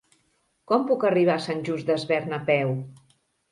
Com puc arribar a Sant Just Desvern a peu?